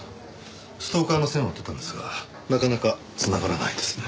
ストーカーの線を追ってたんですがなかなか繋がらないですね。